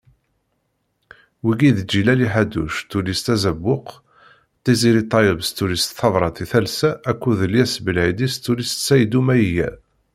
Wigi d: Ǧilali Ḥaddouc tullist Azabuq, Tiziri Ṭeyeb s tullist Tabrat i talsa akked Lyas Belɛidi s tullist Ṣayddu Mayga.